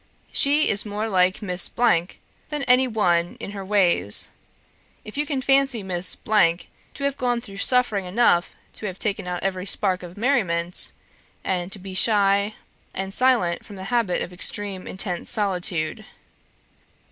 ... She is more like Miss than any one in her ways if you can fancy Miss to have gone through suffering enough to have taken out every spark of merriment, and to be shy and silent from the habit of extreme, intense solitude.